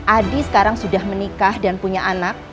adi sekarang sudah menikah dan punya anak